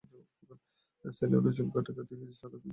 সেলুনে চুল কাটতে নিয়ে গিয়ে সারা দিন ভুলে গেছেন আমাদের কথা।